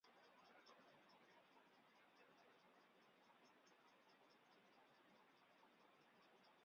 冥古宙则尚未有正式的分代。